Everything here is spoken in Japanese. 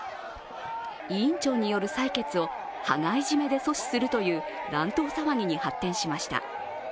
委員長よる採決を羽交い締めで阻止するという乱闘騒ぎに発展しました。